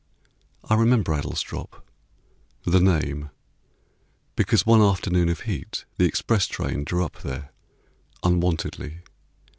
I remember Adlestrop The name, because one afternoon Of heat the express train drew up there Unwontedly.